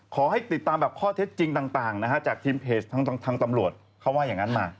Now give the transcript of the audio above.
ขอให้ติดตามแบบข้อเท็จจริงต่างนะฮะจากทีมเพจทางตำรวจเขาว่าอย่างนั้นมา